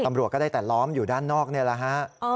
ตำรวจก็ได้แต่ล้อมอยู่ด้านนอกนี่แหละฮะ